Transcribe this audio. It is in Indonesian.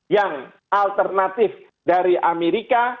yang alternatif dari amerika